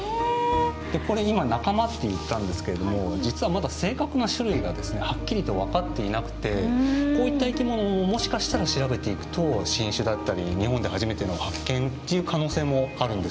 これ今「仲間」って言ったんですけども実はまだ正確な種類がですねはっきりと分かっていなくてこういった生き物ももしかしたら調べていくと新種だったり日本で初めての発見っていう可能性もあるんですよね。